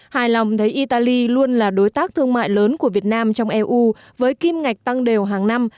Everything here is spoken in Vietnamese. hài lòng thấy italy luôn là đối tác thương mại lớn của việt nam trong eu với kim ngạch tăng đều hàng năm